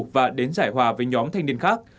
và đến giải hòa với nhóm thanh niên khác